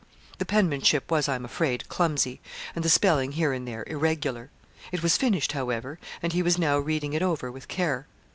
The penmanship was, I am afraid, clumsy, and the spelling here and there, irregular. It was finished however, and he was now reading it over with care.